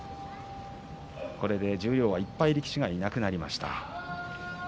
これで十両は１敗力士がいなくなりました。